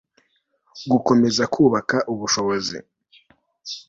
gukomeza kubaka ubushobozi